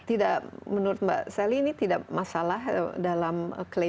tidak menurut mbak sally ini tidak masalah dalam klaim